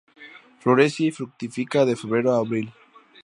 Florece y fructifica de febrero a abril.